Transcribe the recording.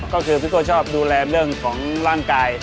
ก็คือพี่โก้ชอบดูแลเรื่องของร่างกาย